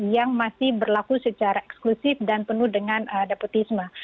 yang masih berlaku secara eksklusif dan penuh dengan depotisme